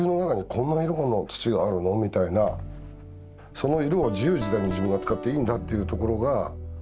その色を自由自在に自分が使っていいんだっていうところが。